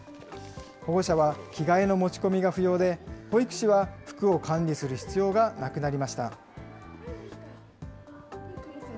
保護者は着替えの持ち込みが不要で、保育士は服を管理する必要がなくなりました。